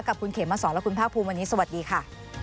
กับคุณเขมสอนและคุณภาคภูมิวันนี้สวัสดีค่ะ